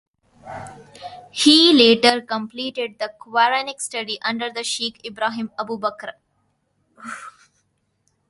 He later completed the Quranic study under Sheik Ibrahim Abu Bakr.